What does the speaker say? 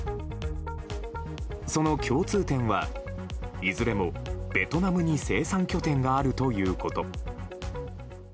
その共通点はいずれもベトナムに生産拠点があるということ。